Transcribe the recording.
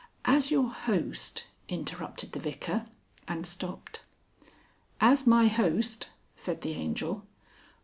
"As your host," interrupted the Vicar, and stopped. "As my host," said the Angel.